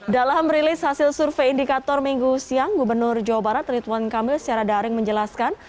dalam rilis hasil survei indikator minggu siang gubernur jawa barat rituan kamil secara daring menjelaskan